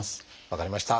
分かりました。